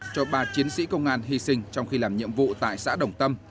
cho ba chiến sĩ công an hy sinh trong khi làm nhiệm vụ tại xã đồng tâm